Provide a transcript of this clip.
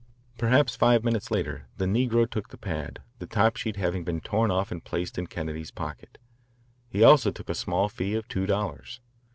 '" Perhaps five minutes later the negro took the pad, the top sheet having been torn off and placed in Kennedy's pocket. He also took a small fee of two dollars.